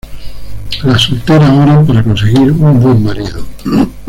Las solteras oran para conseguir un buen marido.